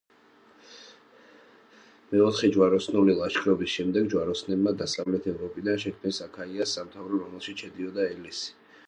მეოთხე ჯვაროსნული ლაშქრობის შემდეგ, ჯვაროსნებმა დასავლეთ ევროპიდან შექმნეს აქაიას სამთავრო, რომელშიც შედიოდა ელისი.